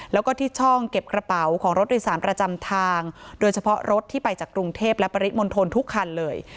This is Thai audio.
แล้วก็ที่ช่องเก็บกระเป๋าของรถโดยสารประจำทางโดยเฉพาะรถที่ไปจากกรุงเทพและปริมณฑลทุกคันเลย